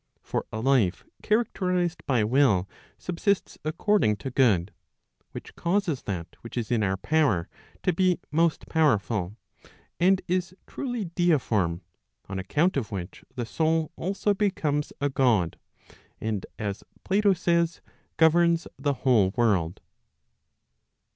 For a life characterized by will subsists according to good, which causes that which is in our power to be most powerful, and is truly deiform, on account of which the soul also becomes a God, and as Plato says, governs the whole world.